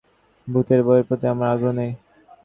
ভূতের বইয়ের প্রতি আমার আগ্রহ নেই।